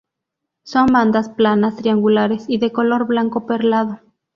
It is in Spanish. Son bandas planas triangulares y de color blanco perlado.